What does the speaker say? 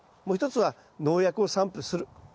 もう一つは農薬を散布する。